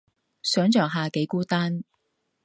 想像下幾孤單